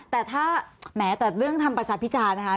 แต่ถ้าแม้แต่เรื่องทำประชาพิจารณ์นะคะ